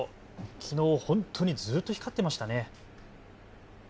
きのう本当にずっと光っていましたね。